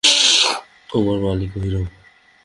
তোমার মালিকও হিরো?